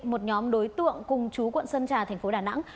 một nhóm đối tượng cùng chú quận sơn trà tp đà nẵng